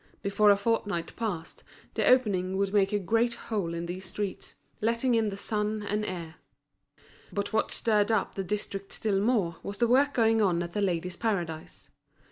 Before a fortnight passed, the opening would make a great hole in these streets, letting in the sun and air. But what stirred up the district still more, was the work going on at The Ladies' Paradise.